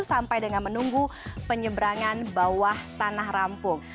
sampai dengan menunggu penyeberangan bawah tanah rampung